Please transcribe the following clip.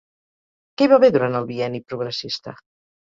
Què hi va haver durant el Bienni Progressista?